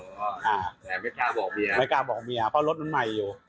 แต่ไม่กล้าบอกเมียไม่กล้าบอกเมียเพราะรถมันใหม่อยู่